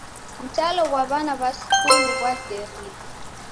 Mtalo ghwa w'ana w'a skulu ghwaserie.